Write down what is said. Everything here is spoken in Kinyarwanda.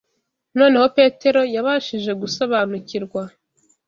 Noneho Petero yabashije gusobanukirwa